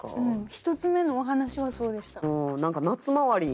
１つ目のお話はそうでした。